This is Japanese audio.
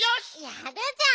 やるじゃん。